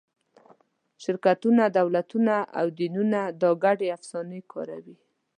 شرکتونه، دولتونه او دینونه دا ګډې افسانې کاروي.